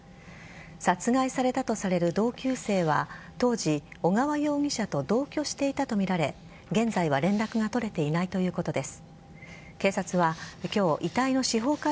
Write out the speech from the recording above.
殺害されたとされる同級生は当時、小川容疑者と同居していたとみられ現在は、連絡が取れていないということです。